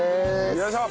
よいしょ！